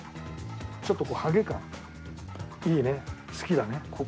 ちょっと剥げ感いいね好きだね。ねぇ。